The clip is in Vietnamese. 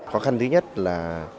khó khăn thứ nhất là